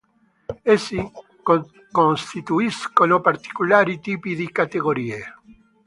Essi costituiscono particolari tipi di categorie.